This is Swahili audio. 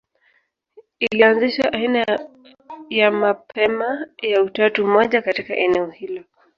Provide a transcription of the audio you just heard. Ilianzisha aina ya mapema ya utatu mmoja katika eneo hilo.